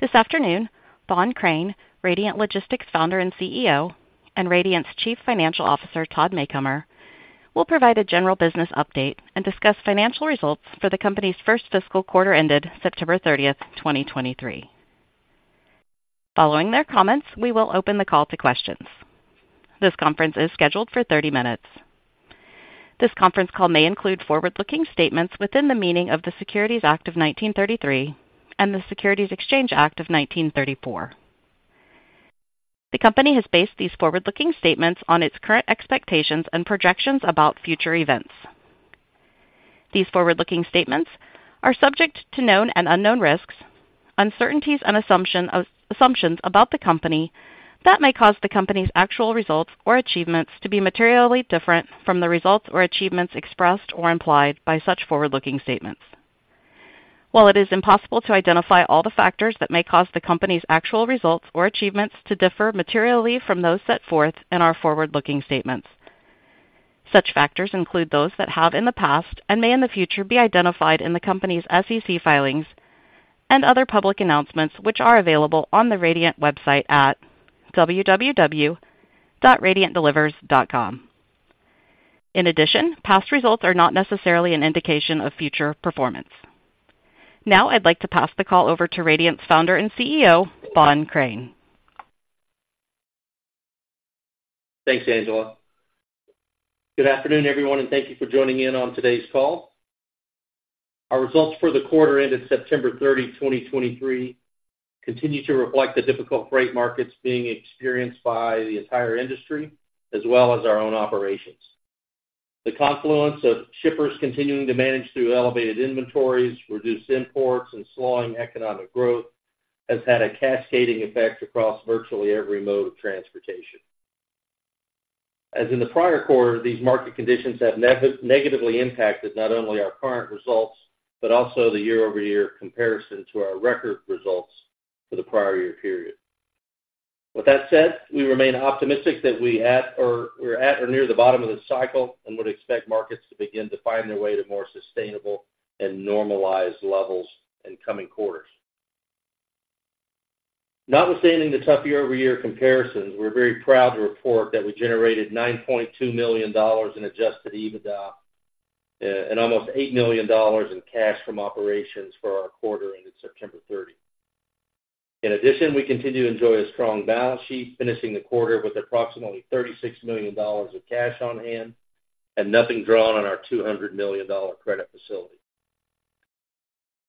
This afternoon, Bohn Crain, Radiant Logistics Founder and CEO, and Radiant's Chief Financial Officer, Todd Macomber, will provide a general business update and discuss financial results for the company's first fiscal quarter ended September 30th, 2023. Following their comments, we will open the call to questions. This conference is scheduled for 30 minutes. This conference call may include forward-looking statements within the meaning of the Securities Act of 1933 and the Securities Exchange Act of 1934. The company has based these forward-looking statements on its current expectations and projections about future events. These forward-looking statements are subject to known and unknown risks, uncertainties, and assumptions about the company that may cause the company's actual results or achievements to be materially different from the results or achievements expressed or implied by such forward-looking statements. While it is impossible to identify all the factors that may cause the company's actual results or achievements to differ materially from those set forth in our forward-looking statements, such factors include those that have in the past and may in the future be identified in the company's SEC filings and other public announcements, which are available on the Radiant website at www.radiantdelivers.com. In addition, past results are not necessarily an indication of future performance. Now, I'd like to pass the call over to Radiant's founder and CEO, Bohn Crain. Thanks, Angela. Good afternoon, everyone, and thank you for joining in on today's call. Our results for the quarter ended September 30th, 2023, continue to reflect the difficult freight markets being experienced by the entire industry, as well as our own operations. The confluence of shippers continuing to manage through elevated inventories, reduced imports, and slowing economic growth has had a cascading effect across virtually every mode of transportation. As in the prior quarter, these market conditions have negatively impacted not only our current results, but also the year-over-year comparison to our record results for the prior year period. With that said, we remain optimistic that we're at or near the bottom of the cycle, and would expect markets to begin to find their way to more sustainable and normalized levels in coming quarters. Notwithstanding the tough year-over-year comparisons, we're very proud to report that we generated $9.2 million in Adjusted EBITDA, and almost $8 million in cash from operations for our quarter ended September 30th. In addition, we continue to enjoy a strong balance sheet, finishing the quarter with approximately $36 million of cash on hand and nothing drawn on our $200 million credit facility.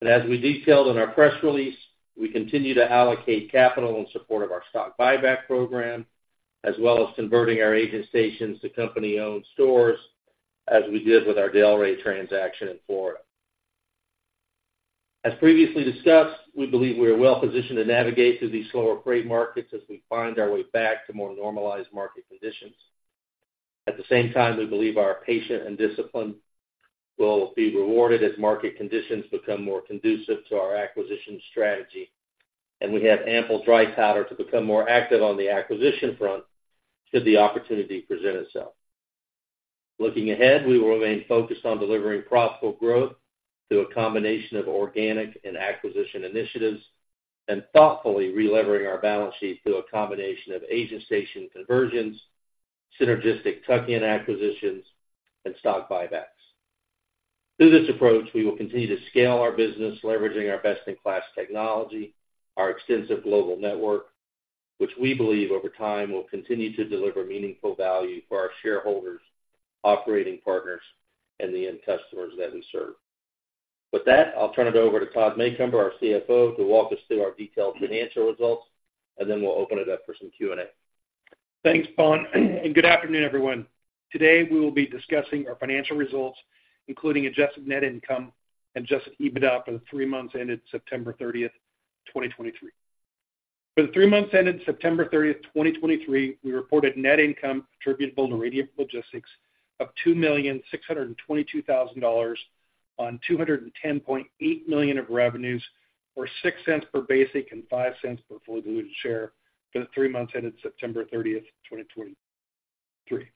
As we detailed in our press release, we continue to allocate capital in support of our stock buyback program, as well as converting our agent stations to company-owned stores, as we did with our Delray transaction in Florida. As previously discussed, we believe we are well positioned to navigate through these slower freight markets as we find our way back to more normalized market conditions. At the same time, we believe our patience and discipline will be rewarded as market conditions become more conducive to our acquisition strategy, and we have ample dry powder to become more active on the acquisition front should the opportunity present itself. Looking ahead, we will remain focused on delivering profitable growth through a combination of organic and acquisition initiatives, and thoughtfully relevering our balance sheet through a combination of agent station conversions, synergistic tuck-in acquisitions, and stock buybacks. Through this approach, we will continue to scale our business, leveraging our best-in-class technology, our extensive global network, which we believe over time will continue to deliver meaningful value for our shareholders, operating partners, and the end customers that we serve. With that, I'll turn it over to Todd Macomber, our CFO, to walk us through our detailed financial results, and then we'll open it up for some Q&A. Thanks, Bohn, and good afternoon, everyone. Today, we will be discussing our financial results, including Adjusted Net Income and Adjusted EBITDA for the three months ended September 30th, 2023. For the three months ended September 30th, 2023, we reported net income attributable to Radiant Logistics of $2,622,000 on $210.8 million of revenues, or $0.06 per basic and $0.05 per fully diluted share for the three months ended September 30th, 2023.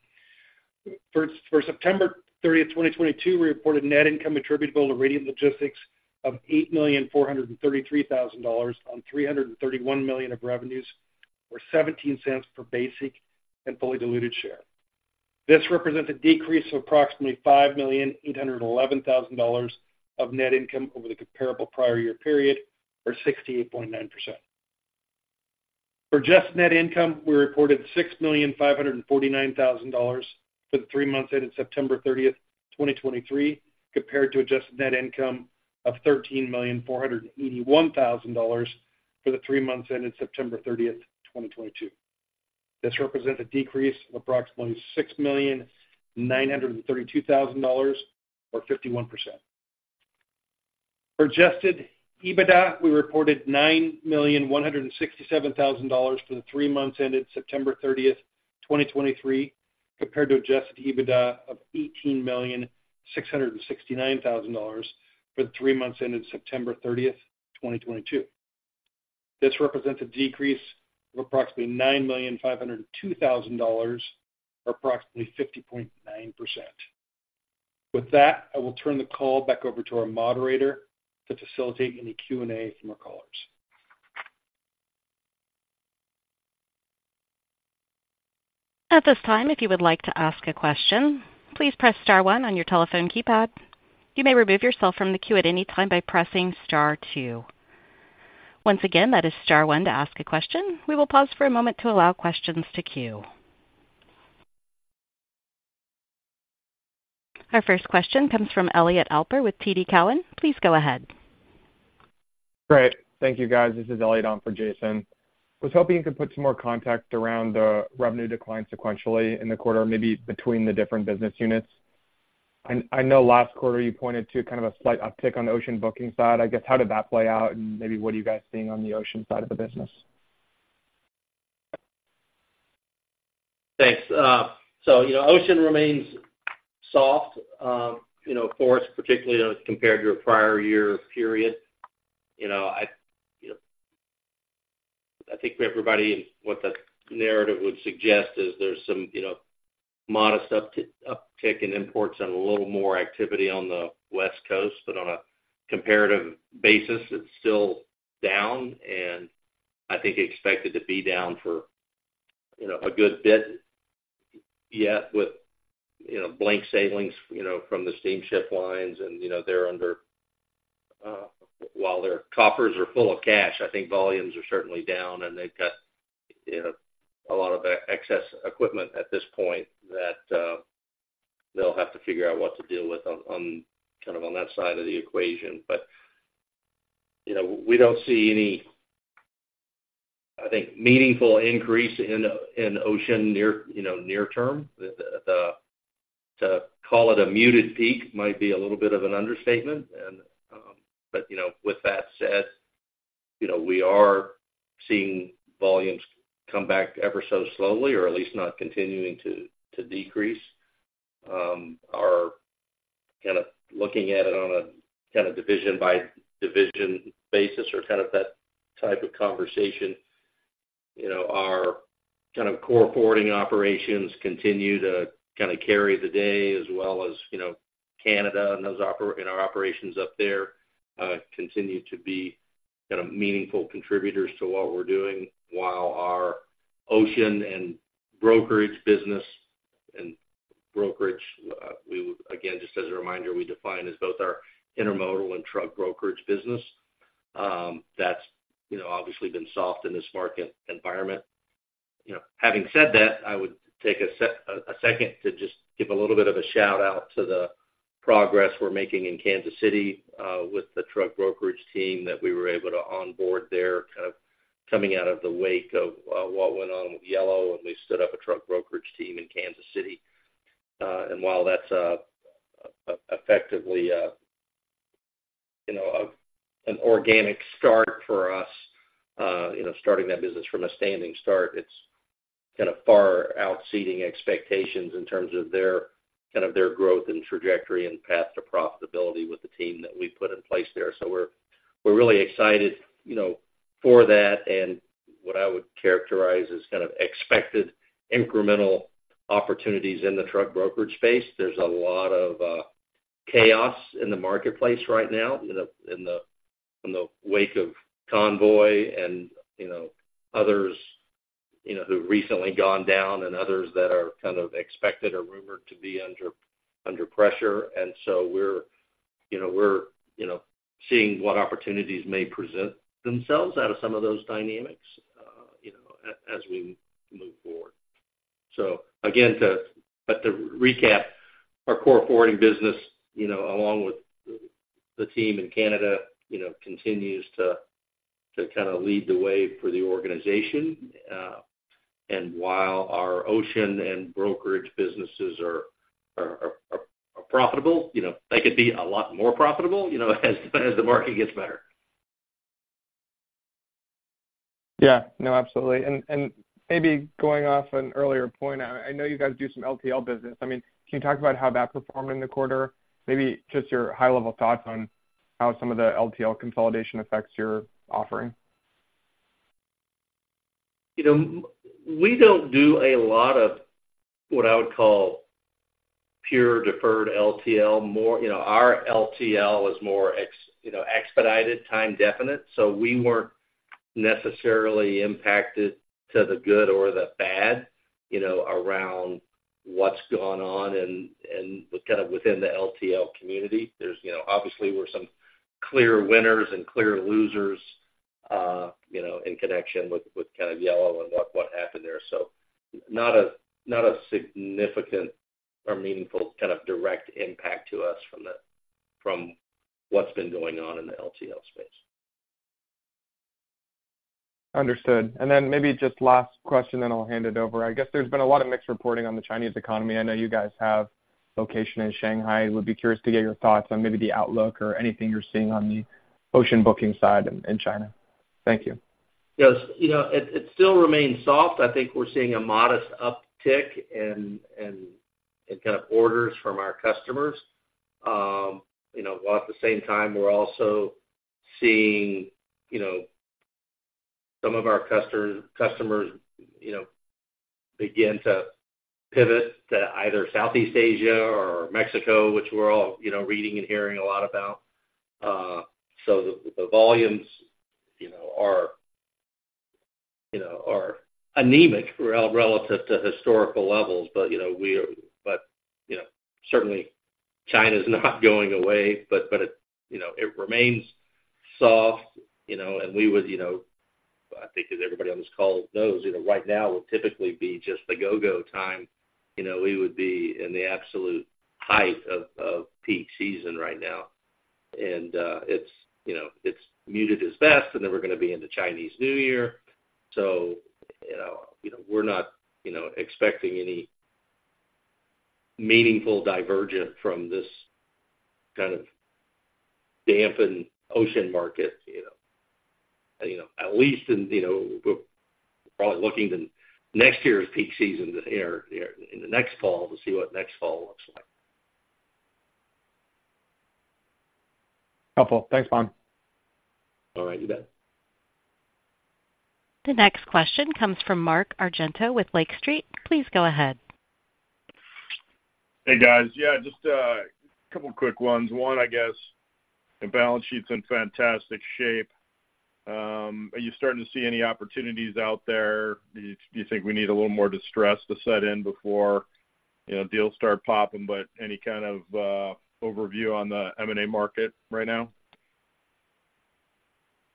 For September 30th, 2022, we reported net income attributable to Radiant Logistics of $8,433,000 on $331 million of revenues, or $0.17 per basic and fully diluted share. This represents a decrease of approximately $5,811,000 of net income over the comparable prior year period, or 68.9%. For adjusted net income, we reported $6,549,000 for the three months ended September 30, 2023, compared to adjusted net income of $13,481,000 for the three months ended September 30, 2022. This represents a decrease of approximately $6,932,000, or 51%. For Adjusted EBITDA, we reported $9,167,000 for the three months ended September 30th, 2023, compared to Adjusted EBITDA of $18,669,000 for the three months ended September 30th, 2022. This represents a decrease of approximately $9,502,000, or approximately 50.9%. ...With that, I will turn the call back over to our moderator to facilitate any Q&A from our callers. At this time, if you would like to ask a question, please press star one on your telephone keypad. You may remove yourself from the queue at any time by pressing star two. Once again, that is star one to ask a question. We will pause for a moment to allow questions to queue. Our first question comes from Elliott Alper with TD Cowen. Please go ahead. Great. Thank you, guys. This is Elliott on for Jason. I was hoping you could put some more context around the revenue decline sequentially in the quarter, maybe between the different business units. And I know last quarter you pointed to kind of a slight uptick on the ocean booking side. I guess, how did that play out? And maybe what are you guys seeing on the ocean side of the business? Thanks. So you know, ocean remains soft, for us, particularly as compared to a prior year period. You know, you know, I think for everybody, what the narrative would suggest is there's some, you know, modest uptick in imports and a little more activity on the West Coast, but on a comparative basis, it's still down, and I think expected to be down for, you know, a good bit, yet with, you know, blank sailings, you know, from the steamship lines, and, you know, they're under, while their coffers are full of cash, I think volumes are certainly down, and they've got, you know, a lot of excess equipment at this point that, they'll have to figure out what to do with on, kind of on that side of the equation. But, you know, we don't see any, I think, meaningful increase in ocean near, you know, near term. To call it a muted peak might be a little bit of an understatement. And, but, you know, with that said, you know, we are seeing volumes come back ever so slowly, or at least not continuing to decrease. Are kind of looking at it on a kind of division by division basis or kind of that type of conversation. You know, our kind of core forwarding operations continue to kind of carry the day as well as, you know, Canada and those operations and our operations up there, continue to be kind of meaningful contributors to what we're doing, while our ocean and brokerage business and brokerage, we would, again, just as a reminder, we define as both our intermodal and truck brokerage business. That's, you know, obviously been soft in this market environment. You know, having said that, I would take a second to just give a little bit of a shout-out to the progress we're making in Kansas City, with the truck brokerage team that we were able to onboard there, kind of coming out of the wake of, what went on with Yellow, and we stood up a truck brokerage team in Kansas City. And while that's effectively a, you know, an organic start for us, you know, starting that business from a standing start, it's kind of far exceeding expectations in terms of their kind of their growth and trajectory and path to profitability with the team that we put in place there. So we're really excited, you know, for that, and what I would characterize as kind of expected incremental opportunities in the truck brokerage space. There's a lot of chaos in the marketplace right now, you know, in the wake of Convoy and, you know, others, you know, who've recently gone down and others that are kind of expected or rumored to be under pressure. So we're, you know, seeing what opportunities may present themselves out of some of those dynamics, you know, as we move forward. So again, to recap, our core forwarding business, you know, along with the team in Canada, you know, continues to kind of lead the way for the organization. While our ocean and brokerage businesses are profitable, you know, they could be a lot more profitable, you know, as the market gets better. Yeah. No, absolutely. And maybe going off an earlier point, I know you guys do some LTL business. I mean, can you talk about how that performed in the quarter? Maybe just your high-level thoughts on how some of the LTL consolidation affects your offering. You know, we don't do a lot of what I would call pure deferred LTL. More, you know, our LTL is more expedited, time definite, so we weren't necessarily impacted to the good or the bad, you know, around what's gone on and kind of within the LTL community. There's, you know, obviously, were some clear winners and clear losers, you know, in connection with kind of Yellow and what happened there. So not a significant or meaningful kind of direct impact to us from what's been going on in the LTL space. Understood. Then maybe just last question, then I'll hand it over. I guess there's been a lot of mixed reporting on the Chinese economy. I know you guys have location in Shanghai. Would be curious to get your thoughts on maybe the outlook or anything you're seeing on the ocean booking side in China. Thank you. Yes. You know, it still remains soft. I think we're seeing a modest uptick in kind of orders from our customers. You know, while at the same time, we're also seeing, you know, some of our customers, you know, begin to pivot to either Southeast Asia or Mexico, which we're all, you know, reading and hearing a lot about. So the volumes, you know, are anemic relative to historical levels. But, you know, we are but, you know, certainly China's not going away. But it, you know, it remains soft, you know, and we would, you know, I think as everybody on this call knows, you know, right now would typically be just the go-go time. You know, we would be in the absolute height of peak season right now. It's, you know, it's muted as best, and then we're gonna be in the Chinese New Year. So, you know, you know, we're not, you know, expecting any meaningful divergent from this kind of dampened ocean market, you know. You know, at least in, you know, we're probably looking to next year's peak season or in the next fall, to see what next fall looks like. Helpful. Thanks, Bohn. All right, you bet. The next question comes from Mark Argento with Lake Street. Please go ahead. Hey, guys. Yeah, just a couple quick ones. One, I guess, the balance sheet's in fantastic shape. Are you starting to see any opportunities out there? Do you think we need a little more distress to set in before, you know, deals start popping? But any kind of overview on the M&A market right now?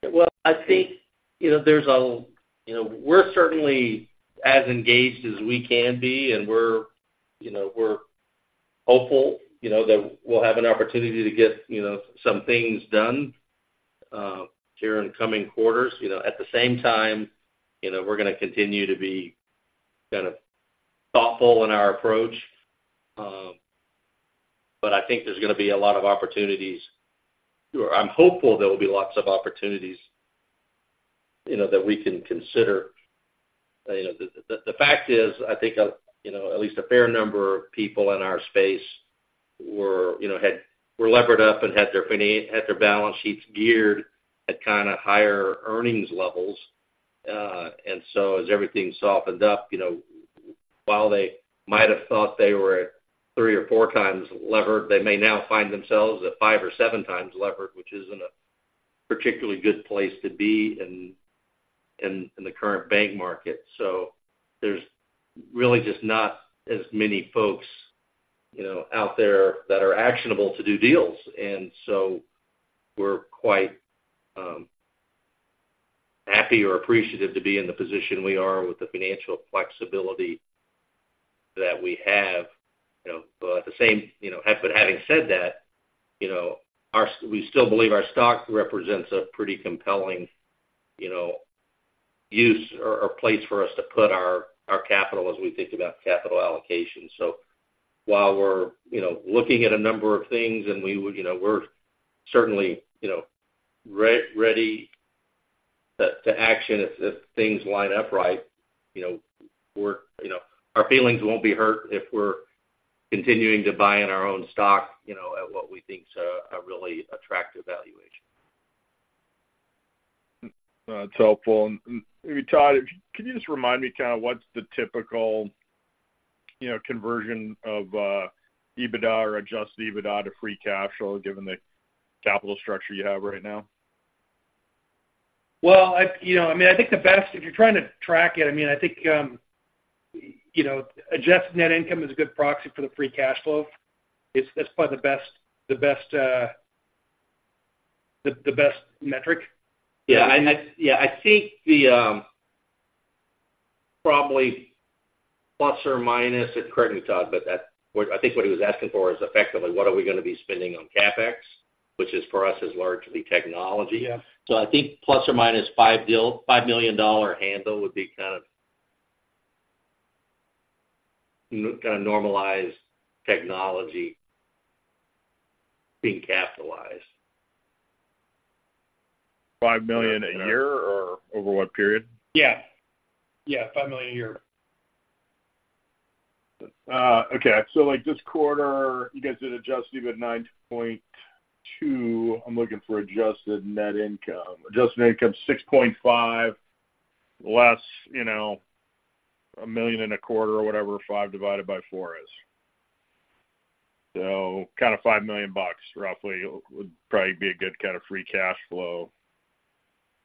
Well, I think, you know, there's a... You know, we're certainly as engaged as we can be, and we're, you know, we're hopeful, you know, that we'll have an opportunity to get, you know, some things done here in the coming quarters. You know, at the same time, you know, we're gonna continue to be kind of thoughtful in our approach. But I think there's gonna be a lot of opportunities. Or I'm hopeful there will be lots of opportunities, you know, that we can consider. You know, the fact is, I think, you know, at least a fair number of people in our space were, you know, levered up and had their balance sheets geared at kind of higher earnings levels. And so as everything softened up, you know, while they might have thought they were at three or four times levered, they may now find themselves at five or seven times levered, which isn't a particularly good place to be in the current bank market. So there's really just not as many folks, you know, out there that are actionable to do deals. And so we're quite happy or appreciative to be in the position we are with the financial flexibility that we have, you know. But at the same, you know, having said that, you know, we still believe our stock represents a pretty compelling, you know, use or place for us to put our capital as we think about capital allocation. So while we're, you know, looking at a number of things, and we would, you know, we're certainly, you know, ready to act if things line up right, you know, we're, you know, our feelings won't be hurt if we're continuing to buy in our own stock, you know, at what we think is a really attractive valuation. That's helpful. And maybe, Todd, could you just remind me kind of what's the typical, you know, conversion of EBITDA or Adjusted EBITDA to free cash flow, given the capital structure you have right now? Well, you know, I mean, I think the best, if you're trying to track it, I mean, I think, you know, Adjusted Net Income is a good proxy for the free cash flow. It's, that's probably the best metric. Yeah, and that's yeah, I think the probably plus or minus, and correct me, Todd, but that, what, I think what he was asking for is effectively what are we gonna be spending on CapEx, which is for us, is largely technology. Yeah. I think ± $5 million handle would be kind of normalized technology being capitalized. $5 million a year, or over what period? Yeah. Yeah, $5 million a year. Okay. So, like, this quarter, you guys did Adjusted EBITDA to $9.2 million. I'm looking for adjusted net income. Adjusted net income, $6.5 million, less, you know, $1.25 million or whatever 5 divided by 4 is. So kind of $5 million bucks roughly would probably be a good kind of free cash flow.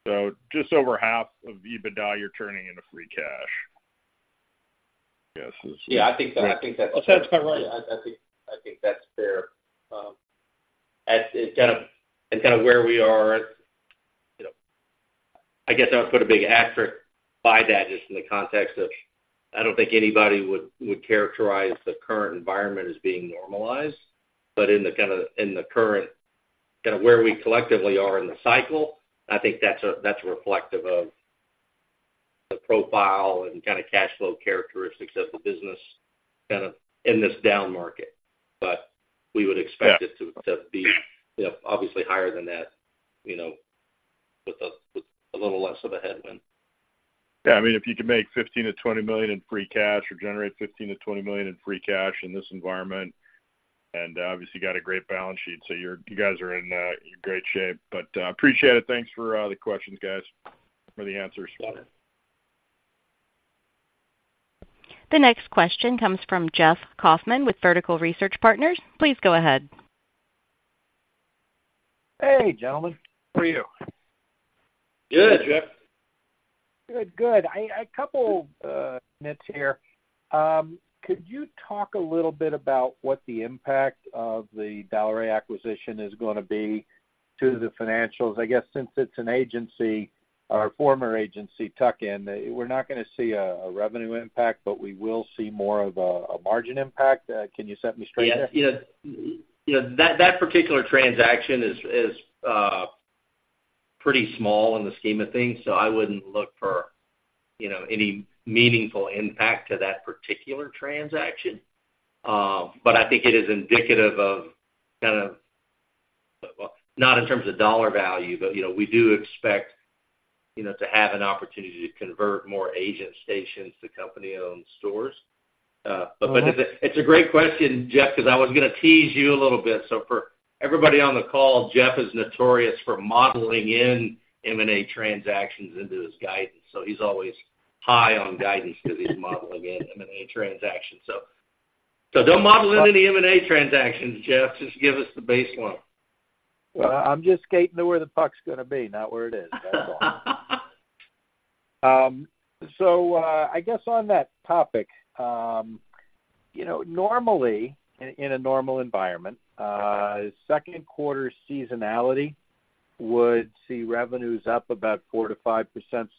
So just over half of the EBITDA you're turning into free cash, I guess is- Yeah, I think that's- That sounds about right. Yeah, I think, I think that's fair. As and kind of where we are, you know, I guess I would put a big asterisk by that, just in the context of, I don't think anybody would, would characterize the current environment as being normalized. But in the kind of in the current, kind of where we collectively are in the cycle, I think that's a, that's reflective of the profile and kind of cash flow characteristics of the business, kind of in this down market. But we would expect it- Yeah... to be, you know, obviously higher than that, you know, with a little less of a headwind.... Yeah, I mean, if you can make $15 million-$20 million in free cash or generate $15 million-$20 million in free cash in this environment, and obviously you got a great balance sheet, so you're you guys are in great shape. But, appreciate it. Thanks for the questions, guys, or the answers. The next question comes from Jeff Kauffman with Vertical Research Partners. Please go ahead. Hey, gentlemen, how are you? Good, Jeff. Good, good. I, a couple minutes here. Could you talk a little bit about what the impact of the Delray acquisition is going to be to the financials? I guess since it's an agency or a former agency tuck-in, we're not going to see a revenue impact, but we will see more of a margin impact. Can you set me straight there? Yeah. You know, that particular transaction is pretty small in the scheme of things, so I wouldn't look for, you know, any meaningful impact to that particular transaction. But I think it is indicative of kind of, well, not in terms of dollar value, but, you know, we do expect, you know, to have an opportunity to convert more agent stations to company-owned stores. But it's a great question, Jeff, because I was going to tease you a little bit. So for everybody on the call, Jeff is notorious for modeling in M&A transactions into his guidance, so he's always high on guidance because he's modeling in M&A transactions. So don't model in any M&A transactions, Jeff, just give us the baseline. Well, I'm just skating to where the puck is going to be, not where it is. So, I guess on that topic, you know, normally, in a normal environment, second quarter seasonality would see revenues up about 4%-5%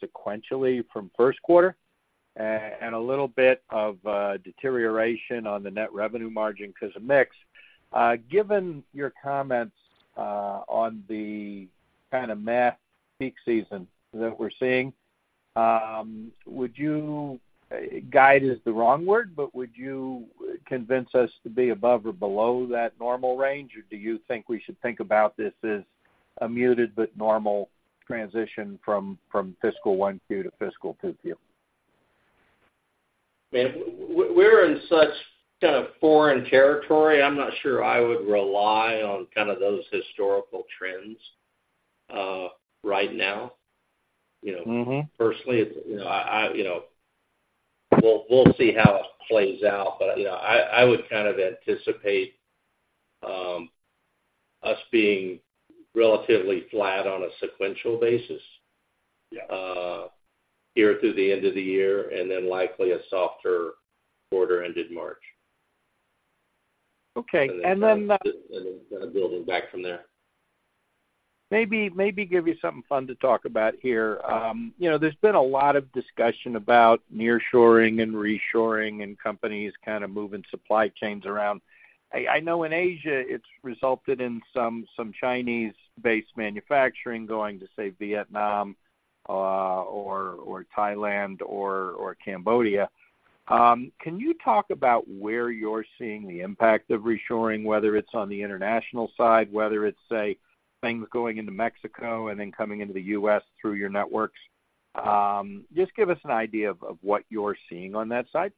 sequentially from first quarter, and a little bit of deterioration on the net revenue margin because of mix. Given your comments on the kind of mild peak season that we're seeing, would you... Guide is the wrong word, but would you convince us to be above or below that normal range? Or do you think we should think about this as a muted but normal transition from fiscal 1Q to fiscal 2Q? Man, we're in such kind of foreign territory. I'm not sure I would rely on kind of those historical trends, right now, you know? Mm-hmm. Firstly, you know, we'll see how it plays out, but, you know, I would kind of anticipate us being relatively flat on a sequential basis- Yeah... here through the end of the year, and then likely a softer quarter ended March. Okay. And then, And then, kind of building back from there. Maybe, maybe give you something fun to talk about here. You know, there's been a lot of discussion about nearshoring and reshoring, and companies kind of moving supply chains around. I know in Asia, it's resulted in some Chinese-based manufacturing going to, say, Vietnam, or Thailand or Cambodia. Can you talk about where you're seeing the impact of reshoring, whether it's on the international side, whether it's, say, things going into Mexico and then coming into the U.S. through your networks? Just give us an idea of what you're seeing on that side.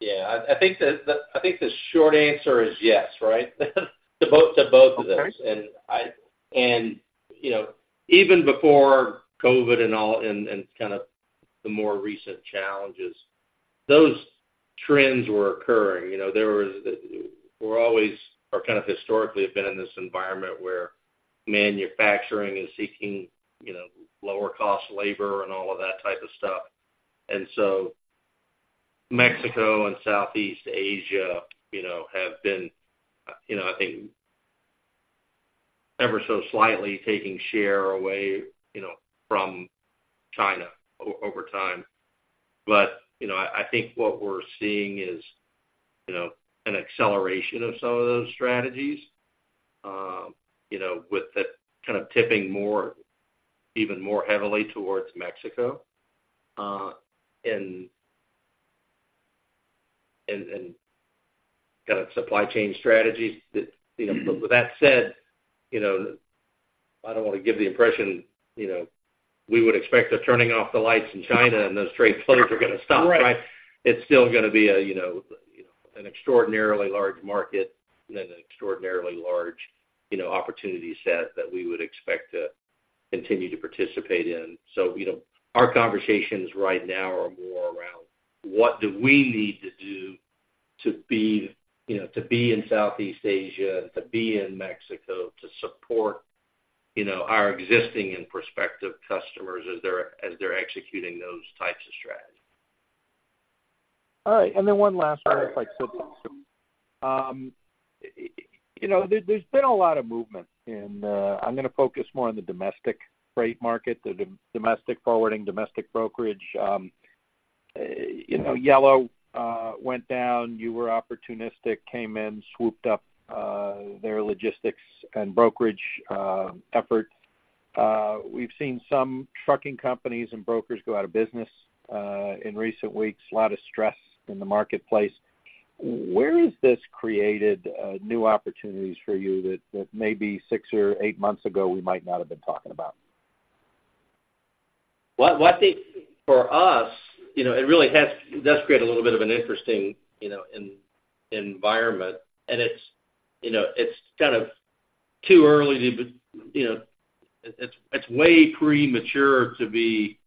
Yeah, I think the short answer is yes, right? To both of those. Okay. And, you know, even before COVID and all, and kind of the more recent challenges, those trends were occurring. You know, there was, we're always or kind of historically have been in this environment where manufacturing is seeking, you know, lower cost labor and all of that type of stuff. And so Mexico and Southeast Asia, you know, have been, you know, I think, ever so slightly taking share away, you know, from China over time. But, you know, I, I think what we're seeing is, you know, an acceleration of some of those strategies, you know, with the kind of tipping more, even more heavily towards Mexico, and kind of supply chain strategies that, you know. With that said, you know, I don't want to give the impression, you know, we would expect a turning off the lights in China, and those freight flows are going to stop, right? Right. It's still going to be a, you know, an extraordinarily large market and an extraordinarily large, you know, opportunity set that we would expect to continue to participate in. So, you know, our conversations right now are more around what do we need to do to be, you know, to be in Southeast Asia, to be in Mexico, to support, you know, our existing and prospective customers as they're, as they're executing those types of strategies. All right. And then one last one, if I could also. You know, there, there's been a lot of movement in, I'm going to focus more on the domestic freight market, the domestic forwarding, domestic brokerage. You know, Yellow went down, you were opportunistic, came in, swooped up their logistics and brokerage effort. We've seen some trucking companies and brokers go out of business in recent weeks. A lot of stress in the marketplace.... Where has this created new opportunities for you that maybe six or eight months ago we might not have been talking about? Well, what I think for us, you know, it really does create a little bit of an interesting, you know, environment. And it's, you know, it's kind of too early to, but, you know, it's, it's way premature to be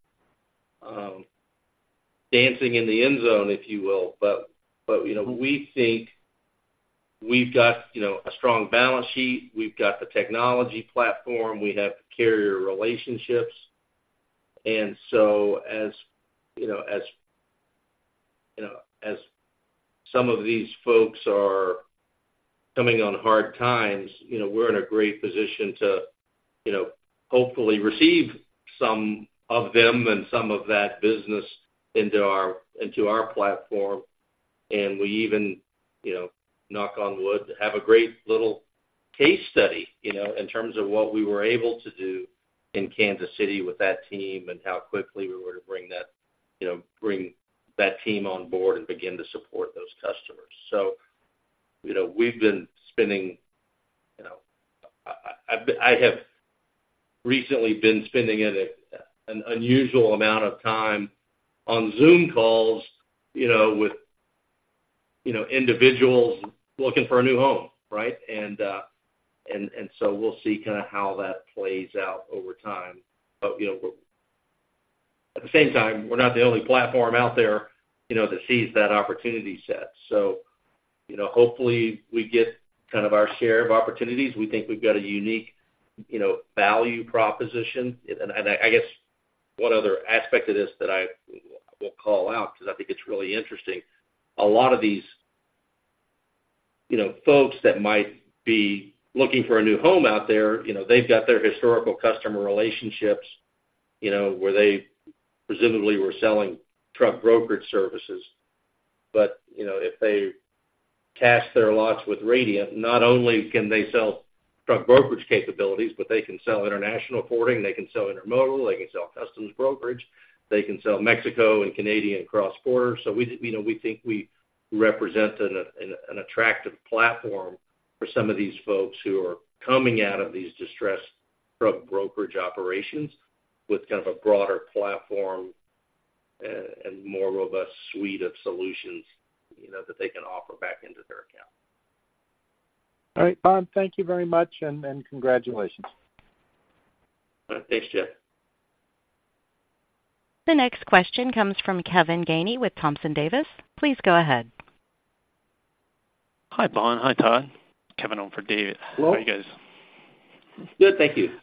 dancing in the end zone, if you will. But, you know, we think we've got, you know, a strong balance sheet, we've got the technology platform, we have the carrier relationships. And so as, you know, as some of these folks are coming on hard times, you know, we're in a great position to, you know, hopefully receive some of them and some of that business into our platform. And we even, you know, knock on wood, have a great little case study, you know, in terms of what we were able to do in Kansas City with that team and how quickly we were to bring that, you know, bring that team on board and begin to support those customers. So, you know, we've been spending, you know... I have recently been spending an unusual amount of time on Zoom calls, you know, with, you know, individuals looking for a new home, right? And so we'll see kind of how that plays out over time. But, you know, we're at the same time, we're not the only platform out there, you know, that sees that opportunity set. So, you know, hopefully, we get kind of our share of opportunities. We think we've got a unique, you know, value proposition. And I guess one other aspect of this that I will call out, 'cause I think it's really interesting, a lot of these, you know, folks that might be looking for a new home out there, you know, they've got their historical customer relationships, you know, where they presumably were selling truck brokerage services. But, you know, if they cast their lots with Radiant, not only can they sell truck brokerage capabilities, but they can sell international forwarding, they can sell intermodal, they can sell customs brokerage, they can sell Mexico and Canadian cross-border. So we, you know, we think we represent an attractive platform for some of these folks who are coming out of these distressed truck brokerage operations with kind of a broader platform and more robust suite of solutions, you know, that they can offer back into their account. All right, Bohn, thank you very much, and congratulations. All right. Thanks, Jeff. The next question comes from Kevin Gainey with Thompson Davis. Please go ahead. Hi, Bohn. Hi, Todd. Kevin over for David. Hello. How are you guys? Good, thank you.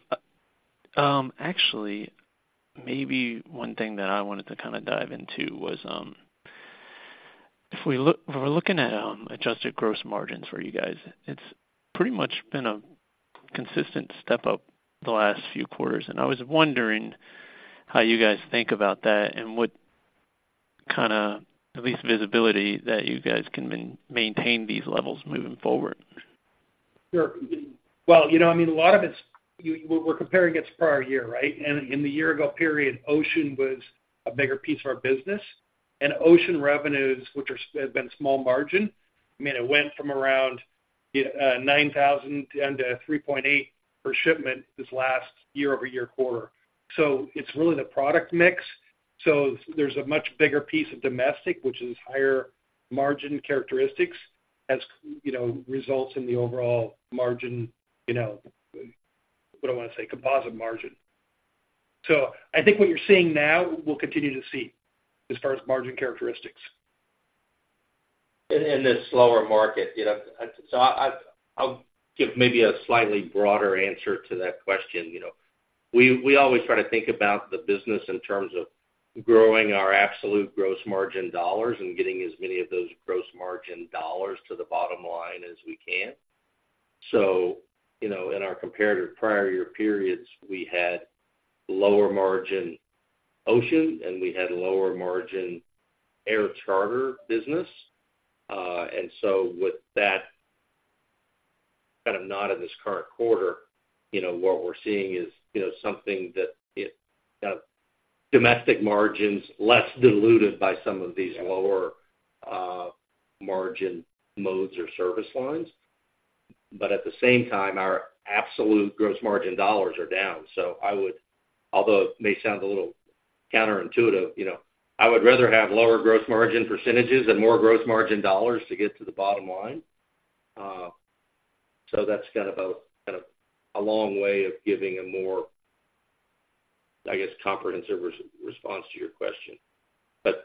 Actually, maybe one thing that I wanted to kind of dive into was, if we look, when we're looking at adjusted gross margins for you guys, it's pretty much been a consistent step up the last few quarters. And I was wondering how you guys think about that, and what kind of, at least, visibility that you guys can maintain these levels moving forward? Sure. Well, you know, I mean, a lot of it's, we're, we're comparing it to prior year, right? And in the year ago period, ocean was a bigger piece of our business. And ocean revenues, which are, have been small margin, I mean, it went from around $9,000 down to $3.8 per shipment this last year-over-year quarter. So it's really the product mix. So there's a much bigger piece of domestic, which is higher margin characteristics, as, you know, results in the overall margin, you know, what I want to say? Composite margin. So I think what you're seeing now, we'll continue to see as far as margin characteristics. In this slower market, you know, so I'll give maybe a slightly broader answer to that question. You know, we always try to think about the business in terms of growing our absolute gross margin dollars and getting as many of those gross margin dollars to the bottom line as we can. So, you know, in our comparative prior year periods, we had lower margin ocean, and we had lower margin air charter business. And so with that kind of not in this current quarter, you know, what we're seeing is, you know, something that, domestic margins less diluted by some of these lower, margin modes or service lines. But at the same time, our absolute gross margin dollars are down. So I would, although it may sound a little counterintuitive, you know, I would rather have lower gross margin percentages and more gross margin dollars to get to the bottom line. So that's kind of a, kind of a long way of giving a more, I guess, comprehensive response to your question. But,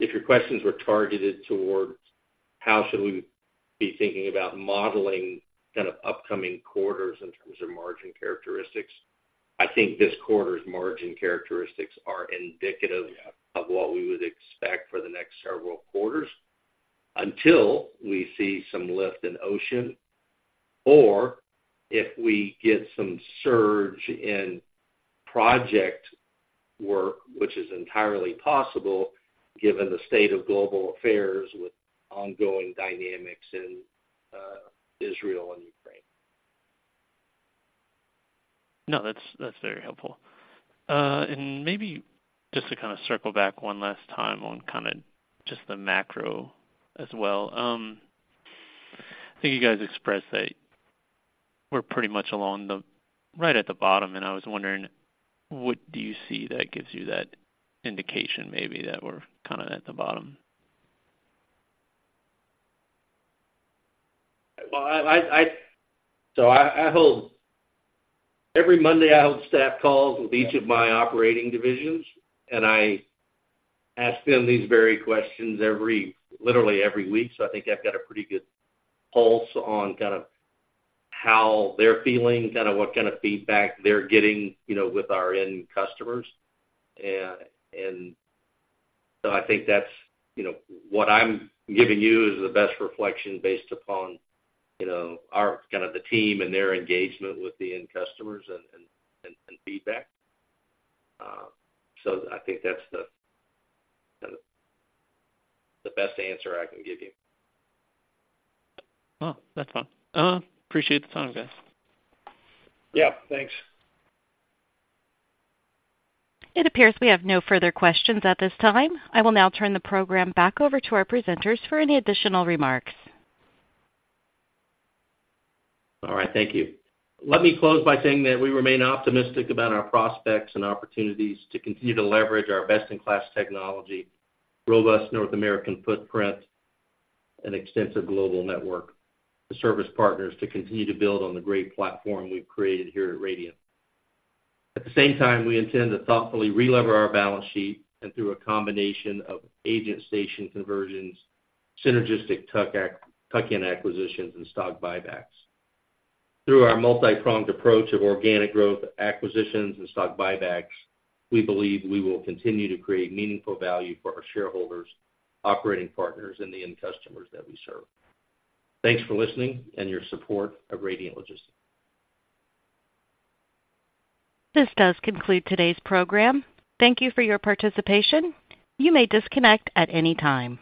if your questions were targeted towards how should we be thinking about modeling kind of upcoming quarters in terms of margin characteristics, I think this quarter's margin characteristics are indicative of what we would expect for the next several quarters, until we see some lift in ocean, or if we get some surge in project work, which is entirely possible, given the state of global affairs with ongoing dynamics in Israel and Ukraine.... No, that's, that's very helpful. And maybe just to kind of circle back one last time on kind of just the macro as well. I think you guys expressed that we're pretty much along the, right at the bottom, and I was wondering, what do you see that gives you that indication maybe that we're kind of at the bottom? Well, so every Monday, I hold staff calls with each of my operating divisions, and I ask them these very questions every, literally every week. So I think I've got a pretty good pulse on kind of how they're feeling, kind of what kind of feedback they're getting, you know, with our end customers. And so I think that's, you know, what I'm giving you is the best reflection based upon, you know, our kind of the team and their engagement with the end customers and feedback. So I think that's the best answer I can give you. Well, that's fine. Appreciate the time, guys. Yeah, thanks. It appears we have no further questions at this time. I will now turn the program back over to our presenters for any additional remarks. All right. Thank you. Let me close by saying that we remain optimistic about our prospects and opportunities to continue to leverage our best-in-class technology, robust North American footprint, and extensive global network to service partners to continue to build on the great platform we've created here at Radiant. At the same time, we intend to thoughtfully relever our balance sheet and through a combination of agent station conversions, synergistic tuck-in acquisitions, and stock buybacks. Through our multipronged approach of organic growth, acquisitions, and stock buybacks, we believe we will continue to create meaningful value for our shareholders, operating partners, and the end customers that we serve. Thanks for listening and your support of Radiant Logistics. This does conclude today's program. Thank you for your participation. You may disconnect at any time.